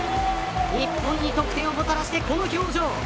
日本に得点をもたらしてこの表情。